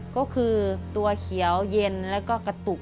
ก็คือตัวเขียวเย็นแล้วก็กระตุก